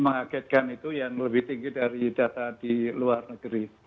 mengagetkan itu yang lebih tinggi dari data di luar negeri